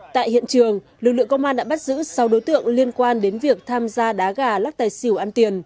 tại hiện trường lực lượng công an đã bắt giữ sáu đối tượng liên quan đến việc tham gia đá gà lắc tài xỉu ăn tiền